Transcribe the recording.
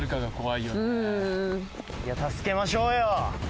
助けましょうよ。